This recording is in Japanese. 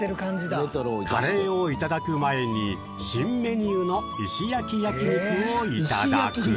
カレーをいただく前に新メニューの石焼き焼肉をいただく。